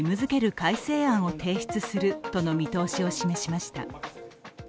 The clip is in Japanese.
改正案を提出するとの見通しを示しました。